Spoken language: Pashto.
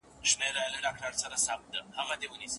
که موږ هم پرمځکه پرېږدو خپل د پلونو نښانونه